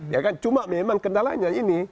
ya kan cuma memang kendalanya ini